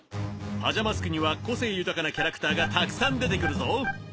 パジャマスクには個性豊かなキャラクターがたくさん出てくるぞ。